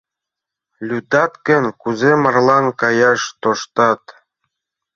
— Лӱдат гын, кузе марлан каяш тоштат?